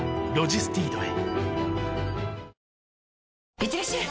いってらっしゃい！